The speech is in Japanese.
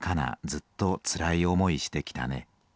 ずっとつらい思いしてきたね。